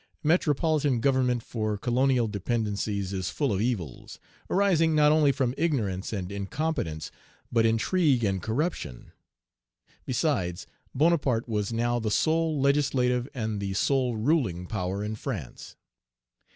Metropolitan government for colonial dependencies is full of evils, arising not only from ignorance and incompetence, but intrigue and corruption. Besides, Bonaparte was now the sole legislative and the sole ruling power in France.